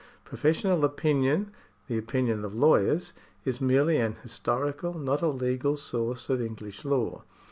Professional opinion — the opinion of lawyers — is merely an historical, not a legal source of English law.